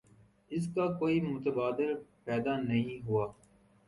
اس کا کوئی متبادل پیدا نہیں ہوا۔